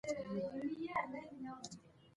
سره هندوانه روښانه ده.